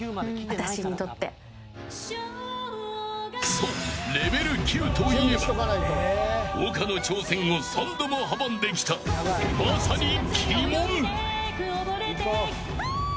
そう、レベル９といえば丘の挑戦を３度も阻んできたまさに鬼門。